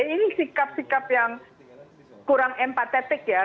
ini sikap sikap yang kurang empatetik ya